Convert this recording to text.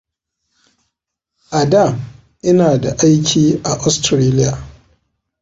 A da, ina da aiki a Austaralia.